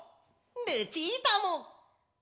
ルチータも！